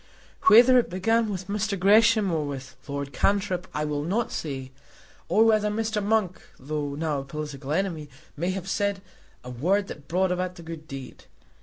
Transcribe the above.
Whether it began with Mr. Gresham or with Lord Cantrip, I will not say; or whether Mr. Monk, though now a political enemy, may have said a word that brought about the good deed.